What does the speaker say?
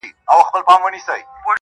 په څو ساعته دې د سترگو باڼه و نه رپي~